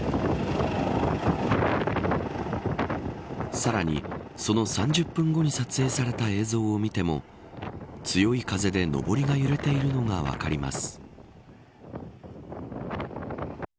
さらにその３０分後に撮影された映像を見ても強い風でのぼりが揺れているのが分かります。